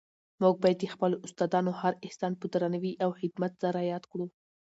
موږ باید د خپلو استادانو هر احسان په درناوي او خدمت سره یاد کړو.